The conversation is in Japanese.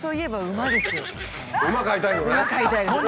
馬飼いたいです。